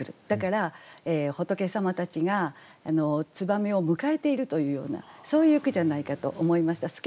だから仏様たちが燕を迎えているというようなそういう句じゃないかと思いました。